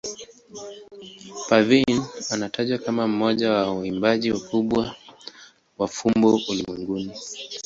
Parveen anatajwa kama mmoja wa waimbaji wakubwa wa fumbo ulimwenguni.